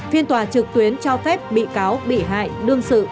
phiên tòa trực tuyến cho phép bị cáo bị hại đương sự